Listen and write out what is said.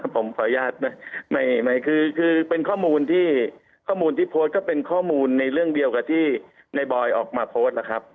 ผมขออนุญาตไม่คือเป็นข้อมูลที่ข้อมูลที่โพสต์ก็เป็นข้อมูลในเรื่องเดียวกับที่ในบอยออกมาโพสต์นะครับ